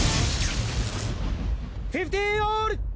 フィフティーンオール！